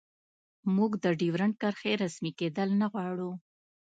موږ د ډیورنډ کرښې رسمي کیدل نه غواړو